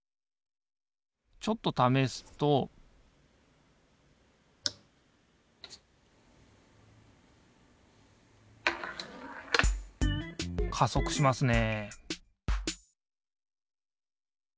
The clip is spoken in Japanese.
ちょっとためすと加速しますね